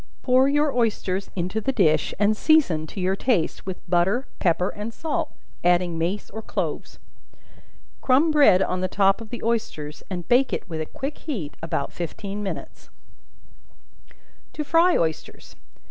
Pour your oysters into the dish, and season, to your taste, with butter, pepper and salt, adding mace or cloves. Crumb bread on the top of the oysters, and bake it with a quick heat about fifteen minutes. To Fry Oysters.